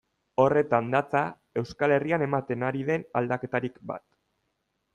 Horretan datza Euskal Herrian ematen ari den aldaketarik bat.